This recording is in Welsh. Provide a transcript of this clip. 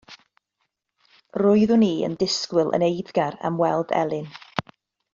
Roeddwn i yn disgwyl yn eiddgar am weld Elin.